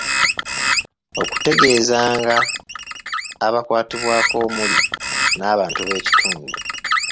Okutegeezanga abakwatibwako omuli n'abantu b'ekitundu.